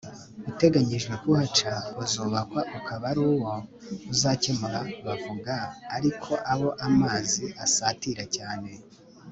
uteganyijwe kuhaca uzubakwa ukaba ari wo uzagikemura Bavuga ariko abo amazi asatira cyane